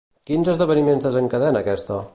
Quins esdeveniments desencadena aquesta?